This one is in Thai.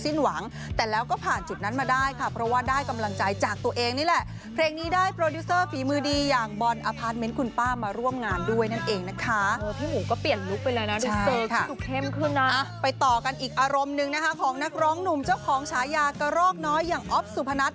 อีกอารมณ์นึงนะฮะของนักร้องหนุ่มเจ้าของชายากรอกหน้าอย่างอ๊อฟสุภนัฏ